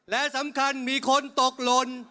และสำคัญมีคนตกหล่น